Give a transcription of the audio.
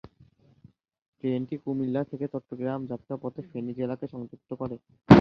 ট্রেনটি কুমিল্লা থেকে চট্টগ্রাম যাত্রাপথে ফেনী জেলাকে সংযুক্ত করে।